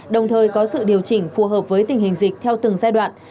đồng thời có sự điều chỉnh phù hợp với tình hình dịch theo từng giai đoạn